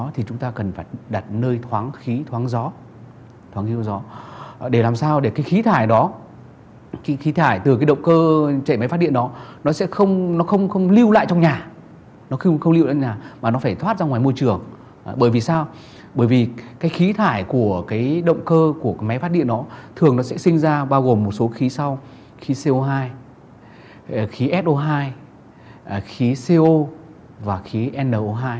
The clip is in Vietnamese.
thường nó sẽ sinh ra bao gồm một số khí sau khí co hai khí so hai khí co và khí no hai